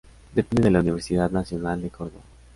Depende de la Universidad Nacional de Córdoba.